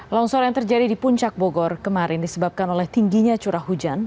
longsor yang terjadi di puncak bogor kemarin disebabkan oleh tingginya curah hujan